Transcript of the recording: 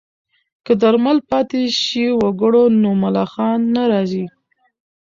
که درمل پاشي وکړو نو ملخان نه راځي.